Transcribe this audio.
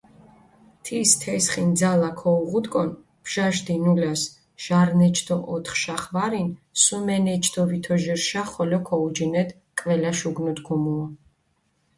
თის თესხი ნძალა ქოუღუდუკონ, ბჟაშ დინულას ჟარნეჩდოოთხშახ ვარინ, სუმენეჩდოვითოჟირშახ ხოლო ქოუჯინედ კველაშ უგნუდგუმუო.